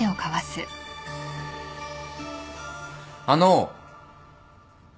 あの。